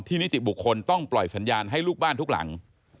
นิติบุคคลต้องปล่อยสัญญาณให้ลูกบ้านทุกหลัง